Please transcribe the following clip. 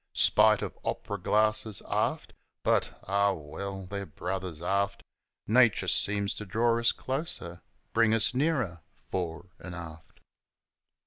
Spite of op'ra glasses, aft ; But, ah well, they're brothers aft Nature seems to draw us closer bring us nearer fore 'n' aft.